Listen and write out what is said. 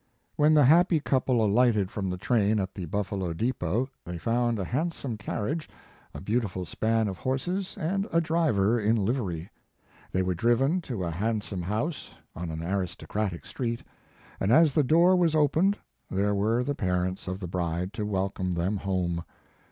When the happy couple alighted from the train at the Buffalo depot, they found a handsome carriage, a beautiful span of horses and a driver in livery. They were driven to a handsome house, on an aristocratic street, and as the door was opened there were the parents of the bride to welcome them home.